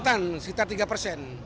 dan kendaraan tujuh ratus enam puluh empat